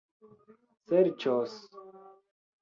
serĉos